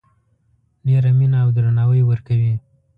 ډیره مینه او درناوی ورکوي